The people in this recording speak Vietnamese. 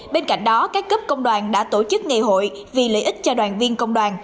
bên cạnh đó các cấp công đoàn đã tổ chức ngày hội vì lợi ích cho đoàn viên công đoàn